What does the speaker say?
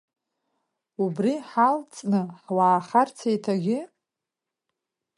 Убри ҳалҵны ҳуаахарц еиҭагьы?